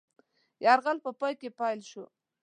یرغل په پای کې پیل شو.